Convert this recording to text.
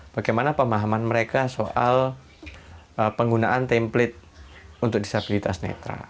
bagaimana pemahaman mereka soal penggunaan template untuk disabilitas netra